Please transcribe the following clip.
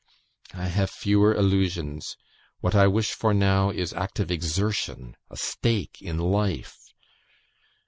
I have fewer illusions; what I wish for now is active exertion a stake in life.